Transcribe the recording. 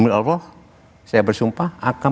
milih allah saya bersumpah akan